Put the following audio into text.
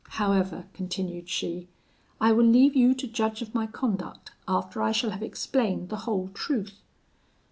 However,' continued she, 'I will leave you to judge of my conduct, after I shall have explained the whole truth.'